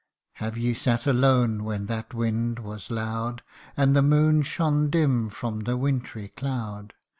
Have ye sat alone when that wind was loud, And the moon shone dim from the wintry cloud